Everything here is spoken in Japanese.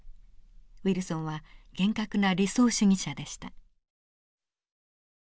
ウィルソンは厳格な理想主義者でした。